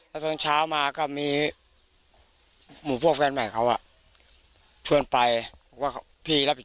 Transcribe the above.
แล้วตอนเช้ามาก็มีมุมพวกแฟนใหม่เขาชวนไปว่าพี่ก็เรียก